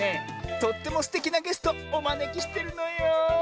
とってもすてきなゲストおまねきしてるのよ。